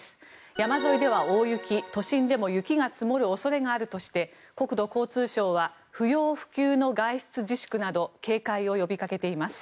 山沿いでは大雪都心でも雪が積もる恐れがあるとして国土交通省は不要不急の外出自粛など警戒を呼びかけています。